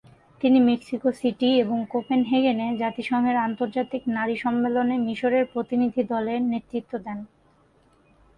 তিনি Mexico City এবং কোপেনহেগেনে জাতিসংঘের আন্তর্জাতিক নারী সম্মেলনে মিশরের প্রতিনিধি দলের নেতৃত্ব দেন।